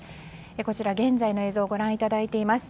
こちら、現在の映像をご覧いただいています。